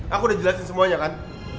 aku udah jelasin semuanya kan